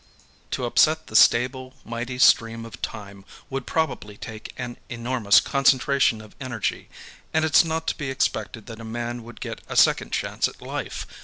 ] _To upset the stable, mighty stream of time would probably take an enormous concentration of energy. And it's not to be expected that a man would get a second chance at life.